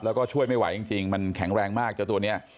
แล้วก็ช่วยไม่ไหวจริงมันแข็งแรงมากเจ้าตัวนี้